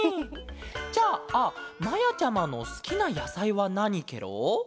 じゃあまやちゃまのすきなやさいはなにケロ？